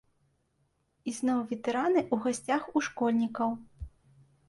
І зноў ветэраны ў гасцях у школьнікаў.